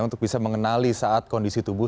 untuk bisa mengenali saat kondisi tubuh